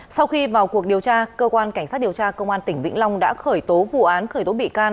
sau khi vào cuộc điều tra cơ quan cảnh sát điều tra công an tỉnh vĩnh long đã khởi tố vụ án khởi tố bị can